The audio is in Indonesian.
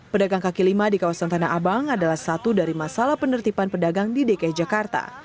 pedagang kaki lima di kawasan tanah abang adalah satu dari masalah penertiban pedagang di dki jakarta